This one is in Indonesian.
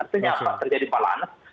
artinya apa terjadi balas